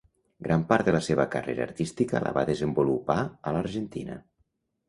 Gran part de la seva carrera artística la va desenvolupar a l'Argentina.